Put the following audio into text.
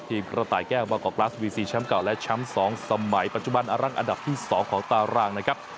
ที่กระต่ายแก้ววัลกอลกราศวีซีช้ำเก่าและช้ำสองสมัยปัจจุบันอารักษ์อันดับที่๒ของตารางนะครับ